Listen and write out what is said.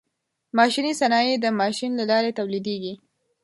ماشیني صنایع د ماشین له لارې تولیدیږي.